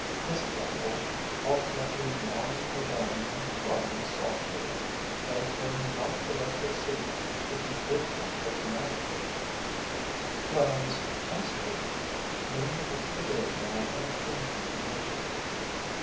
Mrs. Appel, alternately gnawing her bone and crying softly, begged them not to let her see him if he did not look natural, while Miss Eyester leaned against the door jamb in a fainting condition.